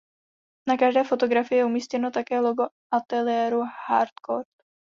Na každé fotografii je umístěno také logo ateliéru Harcourt.